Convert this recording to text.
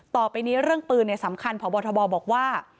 ต่อไปในเรื่องปืนเนี่ยสำคัญเพราะบทบบอกว่า